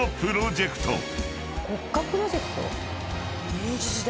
明治時代。